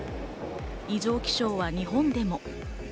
異常気象は日本でも。